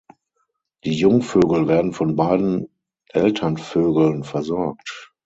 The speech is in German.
Die Jungvögel werden von beiden Elternvögeln versorgt.